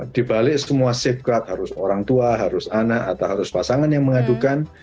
dibalik semua safeguard harus orang tua harus anak atau harus pasangan yang mengadukan